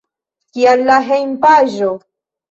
Kial la hejmpaĝo?